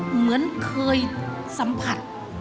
เหมือนเคยสัมผัส